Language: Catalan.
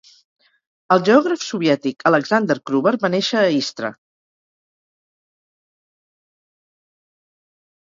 El geògraf soviètic Alexander Kruber va néixer a Istra.